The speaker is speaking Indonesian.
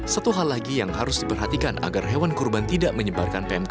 satu hal lagi yang harus diperhatikan agar hewan kurban tidak menyebarkan pmk